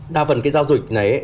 đa phần giao dịch này